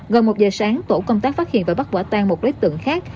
gần một giờ sáng tổ công tác phát hiện và bắt quả tan một đối tượng khác